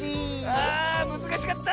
あむずかしかった。